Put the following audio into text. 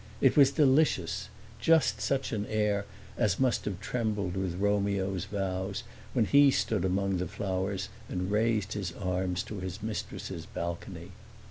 It was delicious just such an air as must have trembled with Romeo's vows when he stood among the flowers and raised his arms to his mistress's balcony.